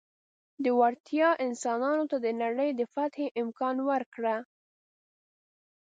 دې وړتیا انسانانو ته د نړۍ د فتحې امکان ورکړ.